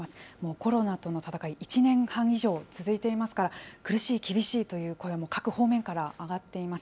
コロナとの闘い、１年半以上続いていますから、苦しい、厳しいという声は、各方面から上がっています。